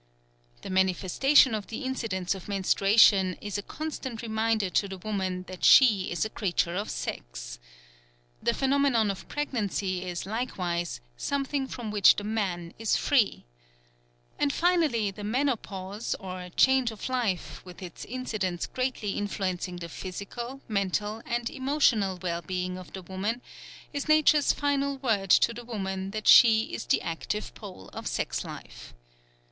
The manifestation of the incidents of menstruation is a constant reminder to the woman that she is a creature of sex. The phenomenon of pregnancy is, likewise, something from which the man is free. And, finally, the menopause, or "change of life," with its incidents greatly influencing the physical, mental, and emotional well being of the woman, is Nature's final word to the woman that she is the active pole of sex life.